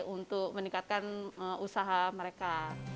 untuk meningkatkan usaha mereka